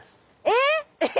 えっ。